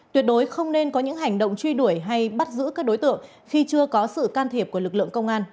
tuyệt đối không nên có những hành động truy đuổi hay bắt giữ các đối tượng khi chưa có sự can thiệp của lực lượng công an